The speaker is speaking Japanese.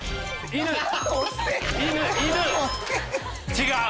違う。